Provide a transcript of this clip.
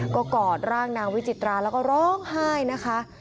ก็กอดร่างนางวิจิตราแล้วก็ร้องไห้นะคะ